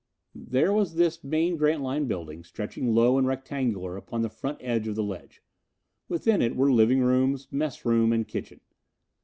[D] There was this main Grantline building, stretching low and rectangular along the front edge of the ledge. Within it were living rooms, messroom and kitchen.